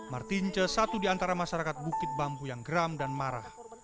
martince satu di antara masyarakat bukit bambu yang geram dan marah